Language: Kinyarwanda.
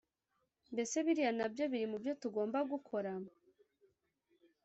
mbese biriya nabyo birimubyo tugomba gukora